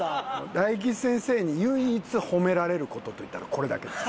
大吉先生に唯一褒められる事といったらこれだけです。